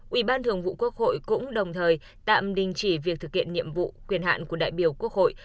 ủy ban thường vụ quốc hội cũng đồng thời tạm đình chỉ việc thực hiện nhiệm vụ quyền hạn của đại biểu quốc hội